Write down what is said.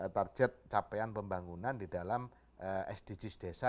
target capaian pembangunan di dalam sdgs desa